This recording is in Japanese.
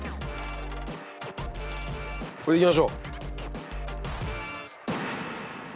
これでいきましょう！